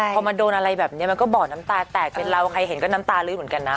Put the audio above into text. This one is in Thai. พอมาโดนอะไรแบบนี้มันก็บ่อน้ำตาแตกเป็นเราใครเห็นก็น้ำตาลื้อเหมือนกันนะ